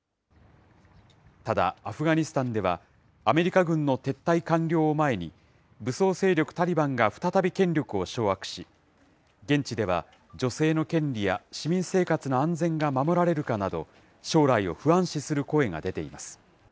ただ、アフガニスタンでは、アメリカ軍の撤退完了を前に、武装勢力タリバンが再び権力を掌握し、現地では女性の権利や市民生活の安全が守られるかなど、将来を不安視する声が出ています。